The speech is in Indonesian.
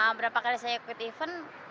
beberapa kali saya ikut event